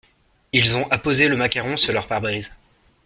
Ils ont apposé le macaron sur leur pare-brise.